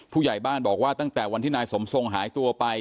ผู้ใหญ่บ้านบอกว่าตั้งแต่วันที่นายสมทรงหายตัวไป